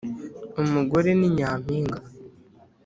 Umugore ni nyampiga.